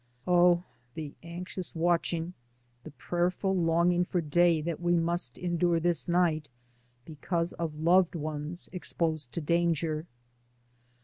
Oh, the anxious watching, the prayerful longing for day that we must endure this night, because of loved ones ex posed to danger.